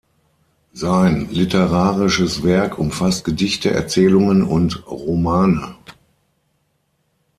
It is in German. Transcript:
Sein literarisches Werk umfasst Gedichte, Erzählungen und Romane.